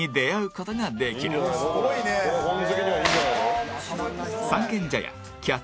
「これ本好きにはいいんじゃないの？」